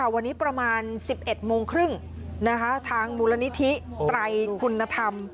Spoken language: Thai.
วันนี้ประมาณ๑๑โมงครึ่งทางมูลนิธิไตรคุณธรรม